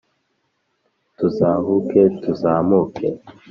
tuzahuke tuzamuke